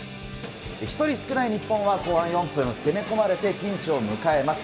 １人少ない日本は後半４分、攻め込まれてピンチを迎えます。